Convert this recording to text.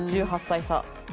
１８歳差。